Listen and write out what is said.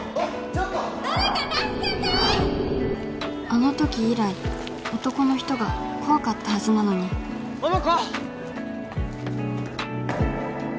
あのとき以来男の人が怖かったはずなのに桃子！